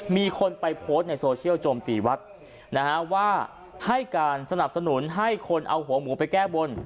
มีคนไปโพสต์ในโซเชียลโจมตีวัดนะฮะว่าให้การสนับสนุนให้คนเอาหัวหมูไปแก้บน